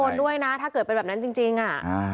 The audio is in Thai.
ด้วยนะถ้าเกิดเป็นแบบนั้นจริงอ่ะ